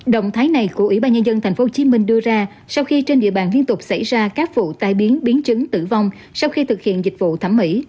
động thái này của ủy ban nhân dân tp hcm đưa ra sau khi trên địa bàn liên tục xảy ra các vụ tai biến biến chứng tử vong sau khi thực hiện dịch vụ thẩm mỹ